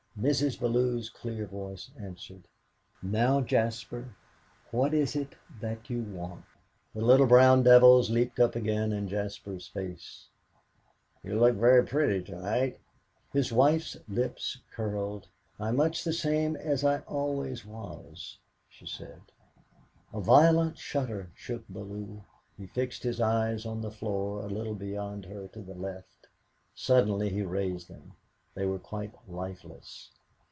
Mrs. Bellew's clear voice answered: "Now, Jaspar, what is it that you want?" The little brown devils leaped up again in Jaspar's face. "You look very pretty to night!" His wife's lips curled. "I'm much the same as I always was," she said. A violent shudder shook Bellew. He fixed his eyes on the floor a little beyond her to the left; suddenly he raised them. They were quite lifeless.